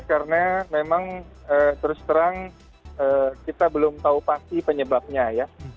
karena memang terus terang kita belum tahu pasti penyebabnya ya